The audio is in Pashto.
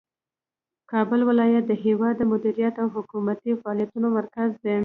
کابل ولایت د هیواد د مدیریت او حکومتي فعالیتونو مرکز دی.